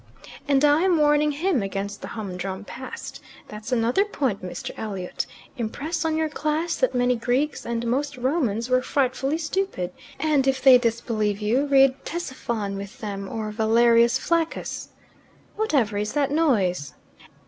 "And I am warning him against the humdrum past. That's another point, Mr. Elliot. Impress on your class that many Greeks and most Romans were frightfully stupid, and if they disbelieve you, read Ctesiphon with them, or Valerius Flaccus. Whatever is that noise?"